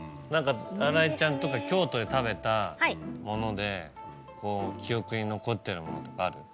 新井ちゃんとか京都で食べたもので記憶に残ってるものとかある？